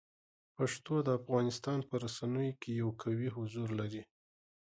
پښتو د افغانستان په رسنیو کې یو قوي حضور لري.